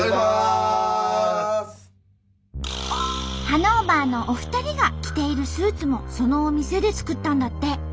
ハノーバーのお二人が着ているスーツもそのお店で作ったんだって。